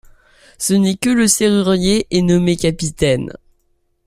Ce n'est que le que Sérurier est nommé capitaine.